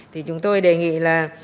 thì chúng tôi đề nghị là